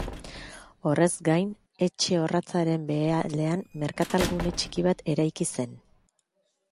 Horrez gain, etxe orratzaren behealdean merkatal-gune txiki bat eraiki zen.